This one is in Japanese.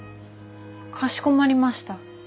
かしこまりました。